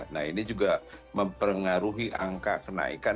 nah ini juga mempengaruhi angka kenaikan